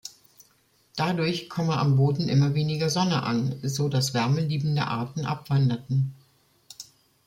Dadurch komme am Boden immer weniger Sonne an, so dass wärmeliebende Arten abwanderten.